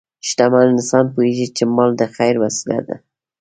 شتمن انسان پوهېږي چې مال د خیر وسیله ده.